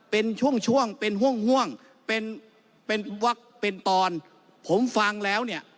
เป็นช่วงเป็นห่วงเป็นวักเป็นตอนผมฟังแล้วเนี่ย